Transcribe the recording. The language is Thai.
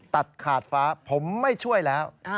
ตัดขาดฟ้าผมไม่ช่วยแล้ว